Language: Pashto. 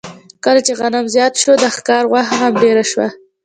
کله چې غنم زیات شو، د ښکار غوښه هم ډېره شوه.